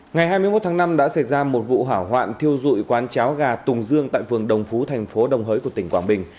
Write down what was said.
ngày hai mươi một tháng năm đã xảy ra một vụ hỏa hoạn thiêu dụi quán cháo gà tùng dương tại phường đồng phú thành phố đồng hới của tỉnh quảng bình